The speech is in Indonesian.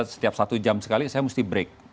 setiap satu jam sekali saya mesti break